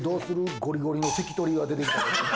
ゴリゴリの関取が出てきたら。